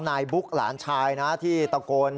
บุ๊กหลานชายนะที่ตะโกน